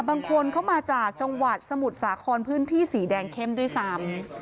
บางคนเข้ามาจากจังหวัดสมุทรสาครพื้นที่สีแดงเข้มด้วยซ้ำ